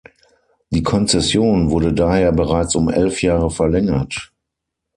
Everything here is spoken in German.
Die Konzession wurde daher bereits um elf Jahre verlängert.